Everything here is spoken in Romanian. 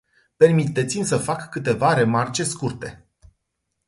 Permiteți-mi să fac câteva remarce scurte.